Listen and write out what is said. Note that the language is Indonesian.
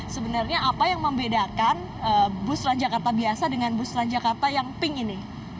sebenarnya apa yang membedakan bus transjakarta biasa dengan bus transjakarta yang pink ini